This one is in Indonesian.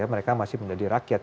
mereka masih menjadi rakyat